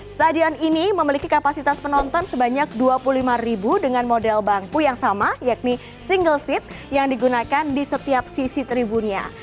stadion ini memiliki kapasitas penonton sebanyak dua puluh lima ribu dengan model bangku yang sama yakni single seat yang digunakan di setiap sisi tribunnya